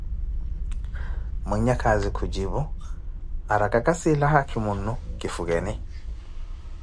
Mwinyapwaani kujipu araka, kasiila haakimunnu, kifukeni.